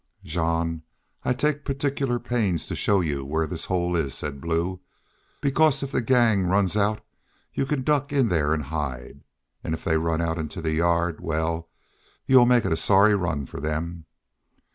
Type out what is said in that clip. "Jean, I take particular pains to show y'u where this hole is," said Blue, "because if the gang runs out y'u could duck in there an' hide. An' if they run out into the yard wal, y'u'd make it a sorry run fer them....